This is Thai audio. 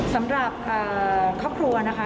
สำหรับครอบครัวนะคะ